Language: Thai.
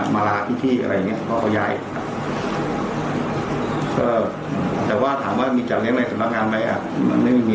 ไม่มีหรอกค่ะก็เลยว่าเอาไปจินในข้างนอก